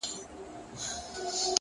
خپل ژوند د پوهې او عمل په رڼا جوړ کړئ!